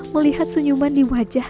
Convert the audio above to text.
melihat sunyuman di wajah